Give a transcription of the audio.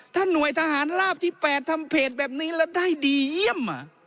ถ้าหน่วยทหารลาบที่๘ทำเพจแบบนี้แล้วได้ดีเยี่ยม